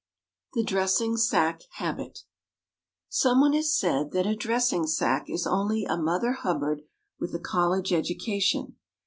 The Dressing Sack Habit Someone has said that a dressing sack is only a Mother Hubbard with a college education.